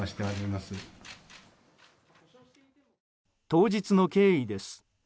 当日の経緯です。